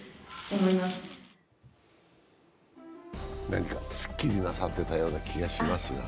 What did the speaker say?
何かすっきりなさってたような気がしますが。